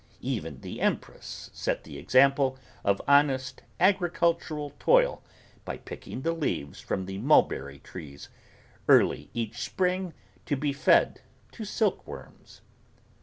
Even the Empress set the example of honest agricultural toil by picking the leaves from the mulberry trees, early each spring, to be fed to silk worms.